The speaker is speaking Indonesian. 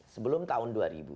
sebelum tahun dua ribu